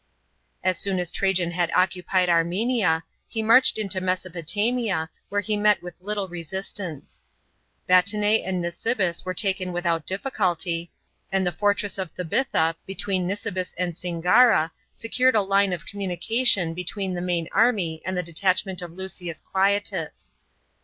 As soon as Trajan had occupied Armenia, he marched into Mesopotamia, where he met with little resistance. Batnse and Nis bis were tak« n without d fficulty, and the fortress of Thebitha, between Nisi bis and Singara, secured a line of com munication between the main a>my and the detnchment of Lusius Quietus.